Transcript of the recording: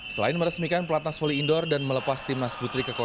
selain meresmikan pelatnas volley indoor dan melepas tim nas putri kekejangan